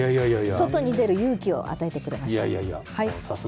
外に出る勇気を与えてくれました。